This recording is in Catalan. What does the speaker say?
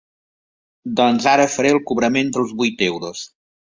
Doncs ara faré el cobrament dels vuit euros.